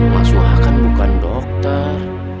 mas suha kan bukan dokter